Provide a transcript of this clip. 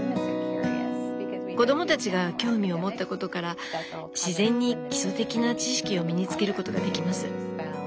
子どもたちが興味を持ったことから自然に基礎的な知識を身につけることができます。